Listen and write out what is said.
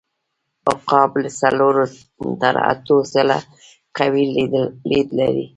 عقاب له څلور تر اتو ځله قوي لید لري.